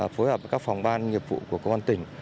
phối hợp với các phòng ban nghiệp vụ của công an tỉnh